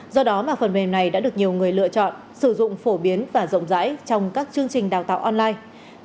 do đó mà phần mềm này đã được nhiều người lựa chọn sử dụng phổ biến và rộng rãi trong các chương trình đào tạo online